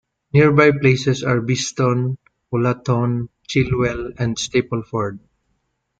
Nearby places are Beeston, Wollaton, Chilwell and Stapleford.